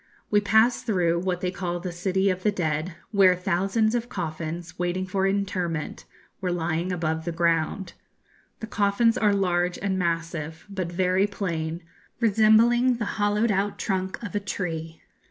We passed through what they call the city of the dead, where thousands of coffins waiting for interment were lying above ground. The coffins are large and massive, but very plain, resembling the hollowed out trunk of a tree.